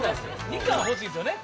２貫欲しいですよね